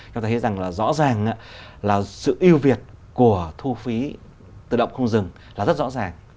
chúng ta thấy rằng là rõ ràng là sự yêu việt của thu phí tự động không dừng là rất rõ ràng